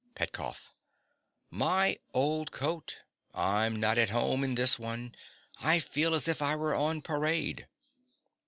PETKOFF. My old coat. I'm not at home in this one: I feel as if I were on parade.